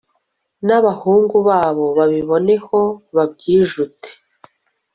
n'abahungu babo babiboneho babyijute